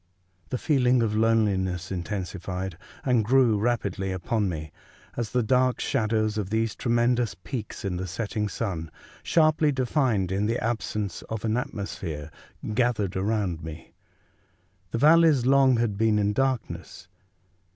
^»^^ The feeling of loneliness intensified and grew rapidly upon me as the dark shadows of these tremendous peaks in the setting sun, sharply defined in the absence of an atmosphere, gathered around me. The valleys long had been in darkness.